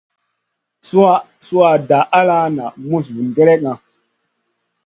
Sùha dah ala na muss vun gerekna.